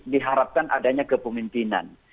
diharapkan adanya kepemimpinan